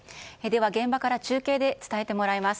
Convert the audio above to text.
現場から中継で伝えてもらいます。